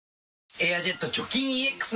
「エアジェット除菌ＥＸ」